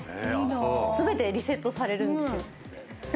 全てリセットされるんですよ。